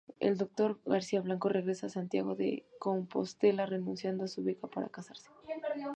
El Dr. García-Blanco regresa a Santiago de Compostela renunciando a su beca, para casarse.